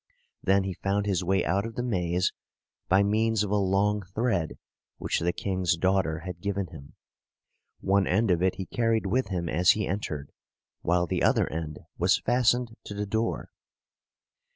Then he found his way out of the maze by means of a long thread which the king's daughter had given him. One end of it he carried with him as he entered, while the other end was fastened to the door.